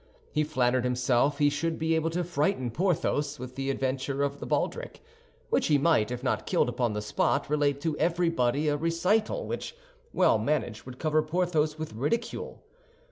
He flattered himself he should be able to frighten Porthos with the adventure of the baldric, which he might, if not killed upon the spot, relate to everybody a recital which, well managed, would cover Porthos with ridicule.